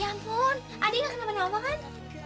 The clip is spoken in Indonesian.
ya ampun adik gak kenapa kenapa kan